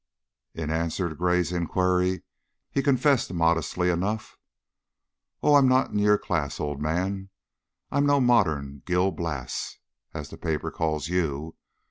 In answer to Gray's inquiry, he confessed modestly enough: "Oh, I'm not in your class, old man. I'm no 'modern Gil Blas,' as the paper calls you.